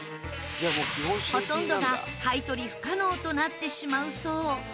ほとんどが買い取り不可能となってしまうそう。